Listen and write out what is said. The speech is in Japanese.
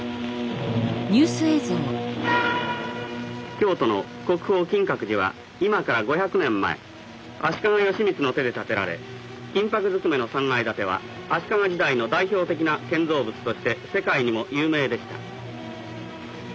京都の国宝金閣寺は今から５００年前足利義満の手で建てられ金ぱくずくめの３階建ては足利時代の代表的な建造物として世界にも有名でした。